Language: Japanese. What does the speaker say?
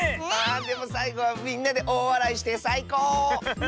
でもさいごはみんなでおおわらいしてさいこう！